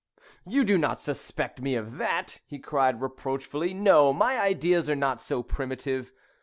"You do not suspect me of that?" he cried reproachfully. "No, my ideas are not so primitive.